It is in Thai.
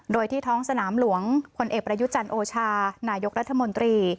โดยที่ท้องสนามหลวงพลเอกประยุจันทร์โอชานายกรัฐมนตรี